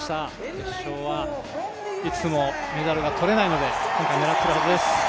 決勝はいつもメダルが取れないので、狙っていきます。